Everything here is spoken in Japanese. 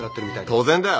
当然だよ。